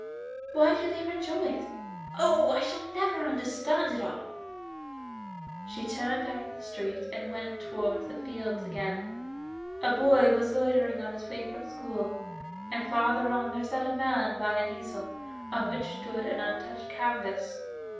Why do they rejoice ? Oh ! I shall never understand it all." She turned out of the street, and went towards the fields again. A boy was loitering on his way from school, and farther on v.] FROM OUTSIDE THE WORLD. 67 there sat a man by an easel, on which stood an untouched canvas.